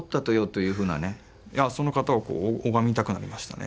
その方を拝みたくなりましたね